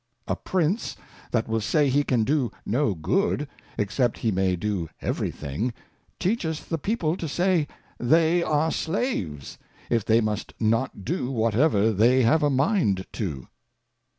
A Prince that will say he can do no Good, except he may do every thing; teacheth the People to say, They are Slaves, if they must not do whatever they have a mind to.